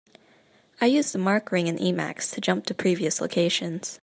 I use the mark ring in Emacs to jump to previous locations.